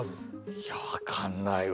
いや分かんないわ。